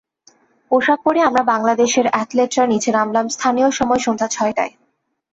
পোশাক পরে আমরা বাংলাদেশের অ্যাথলেটরা নিচে নামলাম স্থানীয় সময় সন্ধ্যা ছয়টায়।